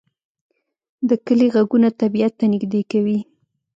د کلی غږونه طبیعت ته نږدې کوي